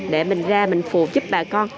để mình ra mình phụ giúp bà con